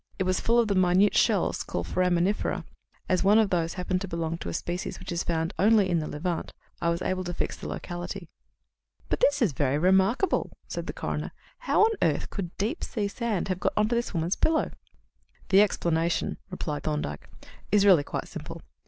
It was full of the minute shells called 'Foraminifera,' and as one of these happened to belong to a species which is found only in the Levant, I was able to fix the locality." "But this is very remarkable," said the coroner. "How on earth could deep sea sand have got on to this woman's pillow?" "The explanation," replied Thorndyke, "is really quite simple.